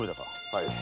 はい。